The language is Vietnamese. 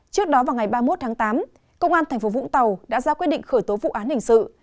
trước đó vào ngày ba mươi một tháng tám công an tp vũng tàu đã ra quyết định khởi tố vụ án hình sự